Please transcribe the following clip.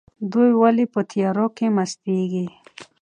دوی ولې په تیارو کې مستیږي؟